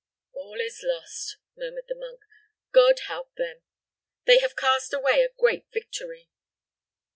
"All is lost," murmured the monk. "God help them! they have cast away a great victory."